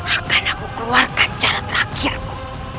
akan aku keluarkan cara terakhirmu